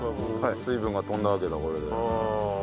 水分が飛んだわけだこれで。